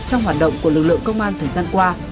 trong hoạt động của lực lượng công an thời gian qua